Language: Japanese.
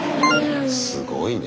すごいね。